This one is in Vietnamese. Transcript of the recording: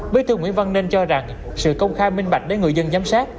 bí thư nguyễn văn nên cho rằng sự công khai minh bạch để người dân giám sát